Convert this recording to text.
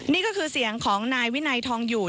นี่ก็คือเสียงของนายวินัยทองอยู่